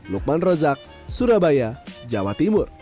lukman rozak surabaya jawa timur